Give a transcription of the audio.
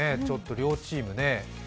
両チームね。